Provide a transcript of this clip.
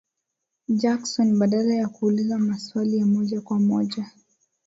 Jackson badala ya kuuliza maswali ya moja kwa moja